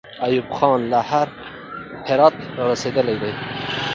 ایوب خان له هراته را رسېدلی دی.